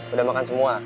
udah makan semua